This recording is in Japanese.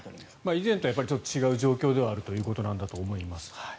以前とはちょっと違う状況ではあるということなんだと思います。